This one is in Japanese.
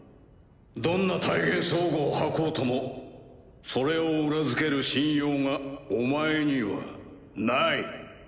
どんな大言壮語を吐こうともそれを裏付ける信用がお前にはない。